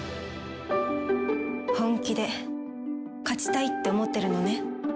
本気で勝ちたいって思ってるのね？